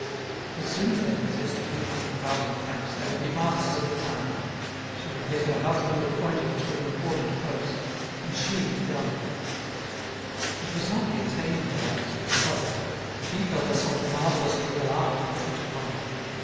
As soon as they possessed a few hundred thousand francs they would be masters of the town. She would get her husband appointed to an important post, and she would govern. It was not the attainment of honours which troubled her; she felt herself marvellously well armed for such a combat.